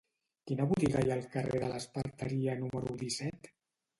Quina botiga hi ha al carrer de l'Esparteria número disset?